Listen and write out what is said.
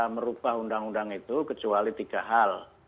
merubah undang undang itu kecuali tiga hal